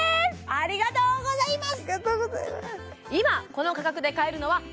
ありがとうございます